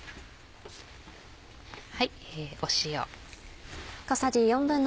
塩。